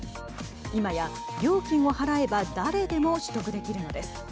今や料金を払えば誰でも取得できるのです。